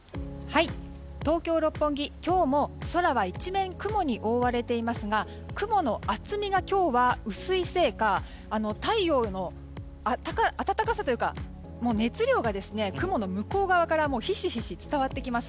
東京・六本木、今日も空は一面雲に覆われていますが雲の厚みが今日は薄いせいか太陽の暖かさというか熱量が雲の向こう側からひしひし伝わってきます。